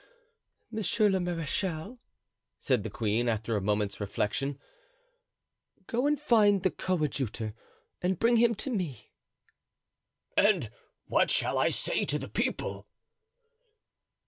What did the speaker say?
"Monsieur le marechal," said the queen, after a moment's reflection, "go and find the coadjutor and bring him to me." "And what shall I say to the people?"